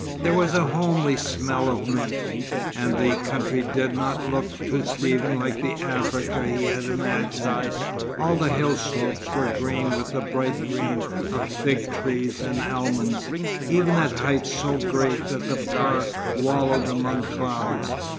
There was a homely smell of mint, and the country did not look to Stephen like the Africa he had imagined. All the hill slopes were green with the bright green of fig trees and almonds, even at heights so great that the car wallowed among clouds.